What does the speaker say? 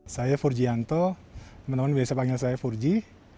saya furgianto teman teman biasa panggil saya furgi